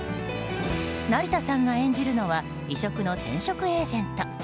成田さんが演じるのは異色の転職エージェント。